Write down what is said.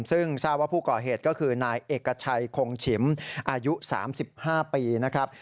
ซึ่งทราบว่าผู้ก่อเหตุก็คือนายเอกชัยคงฉิมอายุ๓๕ปีนะครับ